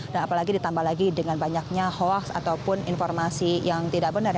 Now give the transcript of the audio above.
dan apalagi ditambah lagi dengan banyaknya hoaks ataupun informasi yang tidak benar